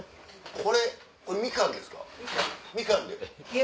これこれみかんですか？